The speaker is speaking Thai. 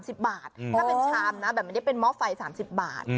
ถ้าเป็นชามนะแบบนี้เป็นหม้อไฟ๓๐บาท